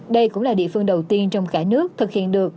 đây cũng là địa phương đầu tiên trong cả nước thực hiện được